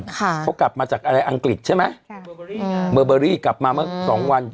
ค่ะเขากลับมาจากอะไรอังกฤษใช่ไหมใช่อืมมาเมอร์เบอร์รี่กลับมาเมื่อสองวัน